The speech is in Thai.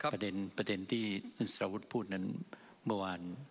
ประเด็นประเด็นที่ช่องสรวจพูดนั้นเมื่อวาน